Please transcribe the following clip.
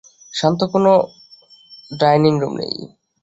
শান্ত কোনো dining room নেই?